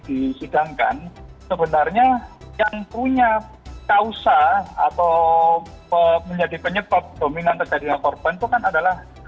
disidangkan sebenarnya yang punya kausa atau menjadi penyebab dominan terjadinya korban itu kan adalah